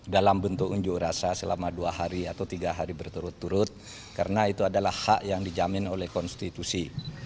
dalam bentuk unjuk rasa selama dua hari atau tiga hari berturut turut karena itu adalah hak yang dijamin oleh konstitusi